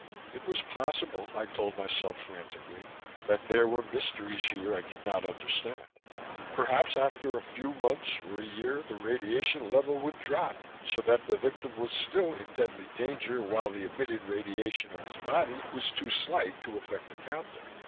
_ It was possible, I told myself frantically, that there were mysteries here I did not understand. Perhaps after a few months or a year, the radiation level would drop, so that the victim was still in deadly danger while the emitted radiation of his body was too slight to affect the counter.